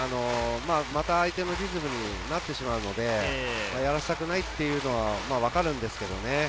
相手のリズムになってしまいますので、やらせたくないというのはわかるんですけどね。